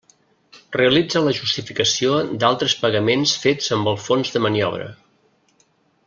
Realitza la justificació d'altres pagaments fets amb el fons de maniobra.